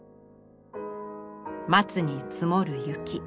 松に積もる雪。